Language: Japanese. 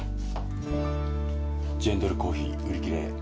ジェントルコーヒー売り切れ。